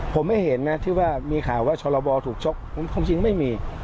ผมไม่เห็นนะที่ว่ามีข่าวว่าชรบถูกชกความจริงไม่มี